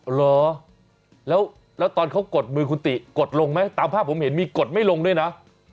เหรอแล้วตอนเขากดมือคุณติกดลงไหมตามภาพผมเห็นมีกดไม่ลงด้วยนะ